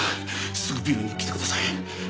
すぐビルに来てください。